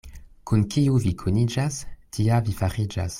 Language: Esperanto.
Kun kiu vi kuniĝas, tia vi fariĝas.